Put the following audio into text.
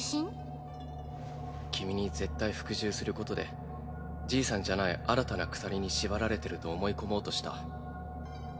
君に絶対服従することでじいさんじゃない新たな鎖に縛られてると思い込もうとした。